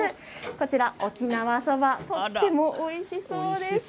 こちら沖縄そば、とってもおいしそうです。